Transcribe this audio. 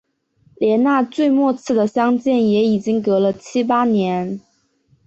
连那最末次的相见也已经隔了七八年